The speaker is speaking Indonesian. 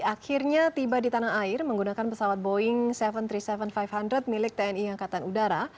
akhirnya tiba di tanah air menggunakan pesawat boeing tujuh ratus tiga puluh tujuh lima ratus milik tni angkatan udara